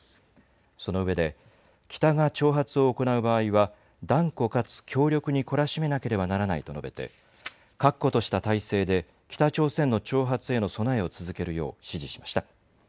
その上で、北が挑発を行う場合は、断固かつ強力に懲らしめなければならないと述べて、確固とした態勢で北朝鮮の挑発への備えを続けるよう指示しました。